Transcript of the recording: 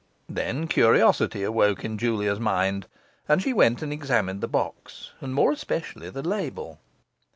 Then curiosity awoke in Julia's mind, and she went and examined the box, and more especially the label.